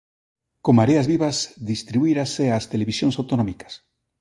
Con Mareas Vivas distribuírase ás televisións autonómicas.